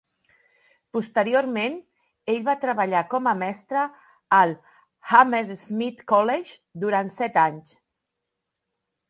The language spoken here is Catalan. Posteriorment, ell va treballar com a mestre al Hammersmith College durant set anys.